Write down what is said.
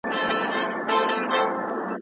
دا سيمې د خپلې خاورې ضميمې وګرځولې.